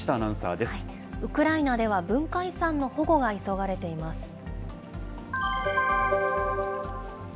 ウクライナでは、文化遺産の保護が急がれています。